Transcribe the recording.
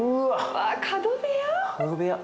わあ角部屋？